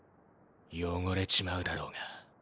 汚れちまうだろうが。